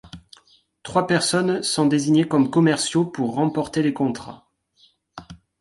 Trois personnes sont désignées comme commerciaux pour remporter les contrats.